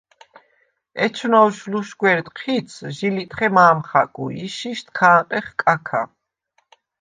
ეჩნოვშ ლუშგვერდ ჴიცს ჟი ლიტხე მა̄მ ხაკუ ი შიშდ ქ’ა̄ნყეხ კაქა.